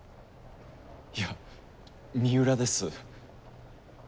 いや三浦です。